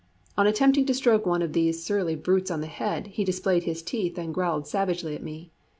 On attempting to stroke one of these surly brutes on the head, he displayed his teeth and growled savagely at me.